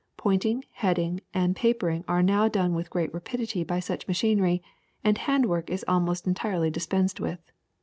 Point ing, heading, and papering are now done with great rapidity by such machinery, and hand work is almost entirely dispensed with.